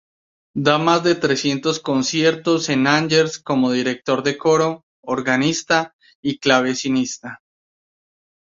Da más de trescientos conciertos en Angers como director de coro, organista y clavecinista.